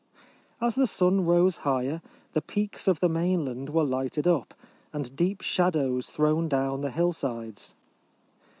As the sun rose higher, the peaks of the mainland were lighted up, and deep shadows thrown down the hillsides.